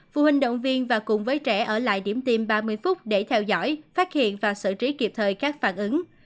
phụ huynh động viên và cùng với trẻ ở lại điểm tiêm ba mươi phút để theo dõi phát hiện và xử trí kịp thời các phản ứng